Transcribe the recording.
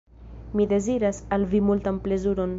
Mi deziras al vi multan plezuron.